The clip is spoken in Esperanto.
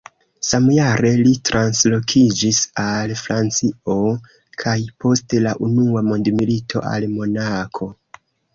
Samjare li translokiĝis al Francio kaj post la Unua Mondmilito al Monako.